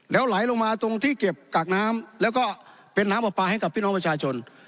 แล้วไหลลงมาตรงที่เก็บกากน้ำแล้วก็เป็นน้ำปลาปลาให้กับพี่น้องประชาชน